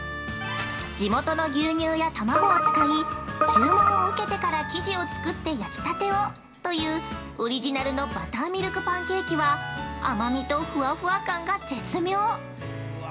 ◆地元の牛乳や卵を使い、注文を受けてから生地を作って焼きたてをというオリジナルのバターミルクパンケーキは、甘みとふわふわ感が絶妙。